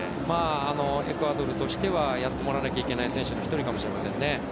エクアドルとしてはやってもらわないといけない選手の１人かもしれませんね。